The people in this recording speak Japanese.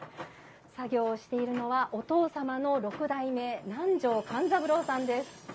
作業をしているのはお父様の６代目南條勘三郎さんです。